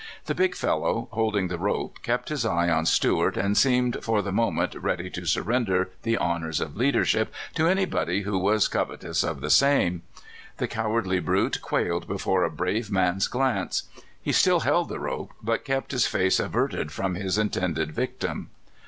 The big fellow holding the rope kept his eye on Stuart, and seemed for the moment ready to surrender the honors of leadership to anybody who was cov etous of the same. The cowardly brute quailed before a brave man's glance. He still held the rope, but kept his face averted from his intended victim.